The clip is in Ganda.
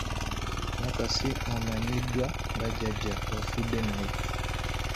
Nakasi amanyiddwa nga Jjajja Ofudenaye.